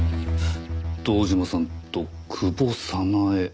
堂島さんと「久保早苗」。